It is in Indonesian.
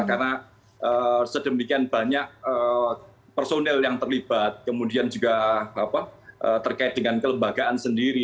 karena sedemikian banyak personil yang terlibat kemudian juga terkait dengan kelembagaan sendiri